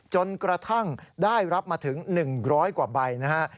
จนกระทั่งได้รับมาถึง๑๐๐กว่าใบนะฮะ